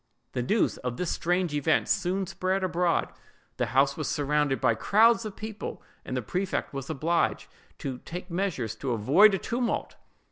The news of this strange event soon spread abroad, the house was surrounded by crowds of people, and the prefect was obliged to take measures to avoid a tumult.